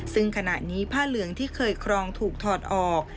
ซึ่งขณะนี้ผ้าเหลืองที่เคยครองถูกถอดออก